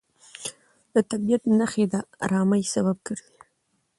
د طبیعت نښې د ارامۍ سبب ګرځي.